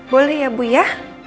boleh ya bu ya